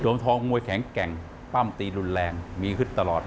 ทองมวยแข็งแกร่งปั้มตีรุนแรงมีฮึดตลอด